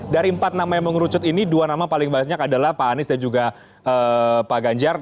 dari empat nama yang mengerucut ini dua nama paling banyak adalah pak anies dan juga pak ganjar